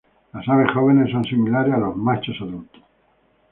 Las aves jóvenes son similares a los machos adultos.